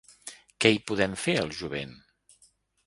Què hi podem fer el jovent?.